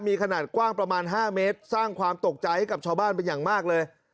มีขนาดกว้างประมาณ๕เมตรสร้างความตกใจให้กับชาวบ้านเป็นอย่างมากเลย